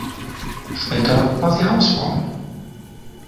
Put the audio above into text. Später war sie Hausfrau.